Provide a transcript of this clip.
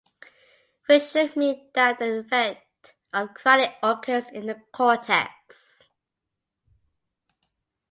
Which should mean that the effect of crowding occurs in the cortex.